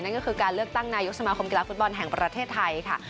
นั่นก็คือการเลือกตั้งนายกสมาคมกีฬาฟุตบอลแห่งประเทศไทยค่ะ